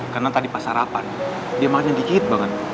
karena tadi pas sarapan dia makannya dikit banget